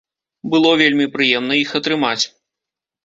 Было вельмі прыемна іх атрымаць.